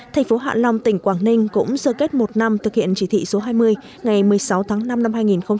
thành phố hạ long tỉnh quảng ninh cũng sơ kết một năm thực hiện chỉ thị số hai mươi ngày một mươi sáu tháng năm năm hai nghìn hai mươi